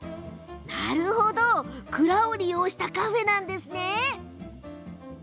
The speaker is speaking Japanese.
なるほど蔵を利用したカフェなんですね。